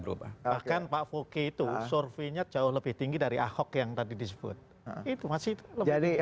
berubah bahkan pak foke itu surveinya jauh lebih tinggi dari ahok yang tadi disebut itu masih